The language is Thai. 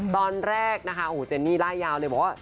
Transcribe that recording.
ตอนแรกนะคะเจนปีนร่ายยาวเลยบอกว่า